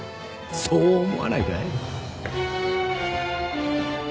そう思わないかい？